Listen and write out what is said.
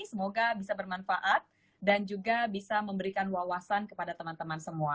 semoga bisa bermanfaat dan juga bisa memberikan wawasan kepada teman teman semua